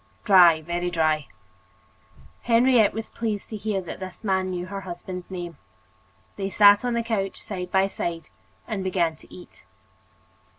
"Dry, very dry." Henriette was pleased to hear that this man knew her husband's name. They sat on the couch, side by side, and began to eat.